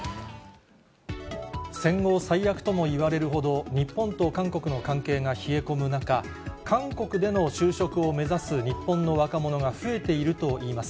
戦後最悪ともいわれるほど、日本と韓国の関係が冷え込む中、韓国での就職を目指す日本の若者が増えているといいます。